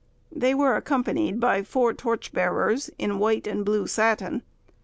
They were accompanied by four torch bearers, in white and blue satin.